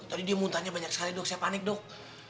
tadi dia muntahnya banyak sekali dok saya panik dok